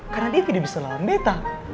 karena dia tidak bisa lawan betah